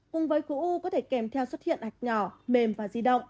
cùng với khổ u có thể kèm theo xuất hiện hạch nhỏ mềm và di động